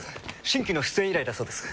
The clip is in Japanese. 新規の出演依頼だそうです。